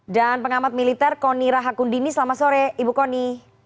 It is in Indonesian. dan pengamat militer koni rahakundini selamat sore ibu koni